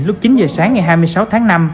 lúc chín giờ sáng ngày hai mươi sáu tháng năm